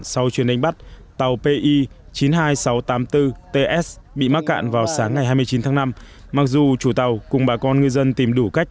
sau chuyến đánh bắt tàu pi chín mươi hai nghìn sáu trăm tám mươi bốn ts bị mắc cạn vào sáng ngày hai mươi chín tháng năm mặc dù chủ tàu cùng bà con ngư dân tìm đủ cách